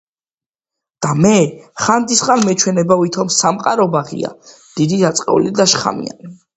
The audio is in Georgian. და მე ხანდისხან მეჩვენება ვითომ სამყარო ბაღია დიდი დაწყევლილი და შხამიანი